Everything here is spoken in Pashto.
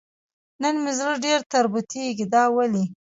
نن مې زړه ډېر تربتېږي دا ولې ؟